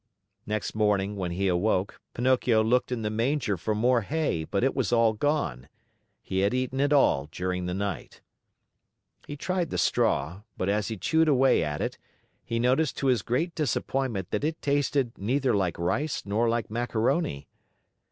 Next morning, when he awoke, Pinocchio looked in the manger for more hay, but it was all gone. He had eaten it all during the night. He tried the straw, but, as he chewed away at it, he noticed to his great disappointment that it tasted neither like rice nor like macaroni.